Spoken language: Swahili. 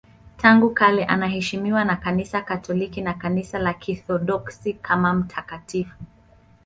Tangu kale anaheshimiwa na Kanisa Katoliki na Kanisa la Kiorthodoksi kama mtakatifu.